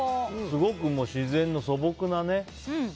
すごく自然の素朴なね。